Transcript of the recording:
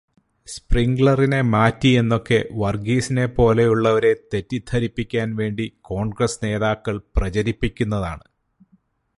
സ്പ്രിങ്ക്ലറിനെ മാറ്റി എന്നൊക്കെ വർഗീസിനെപ്പോലെയുള്ളവരെ തെറ്റിധരിപ്പിക്കാൻ വേണ്ടി കോൺഗ്രസ്സ് നേതാക്കൾ പ്രചരിപ്പിക്കുന്നതാണ്.